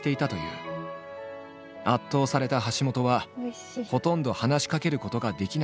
圧倒された橋本はほとんど話しかけることができなかった。